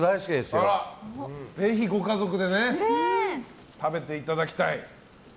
ぜひご家族で食べていただきたい。